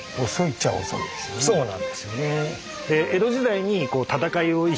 そうなんですよね。